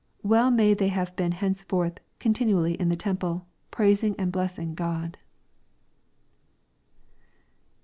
Well may they have been henceforth * continu ally in the temple, praising and blessing God.'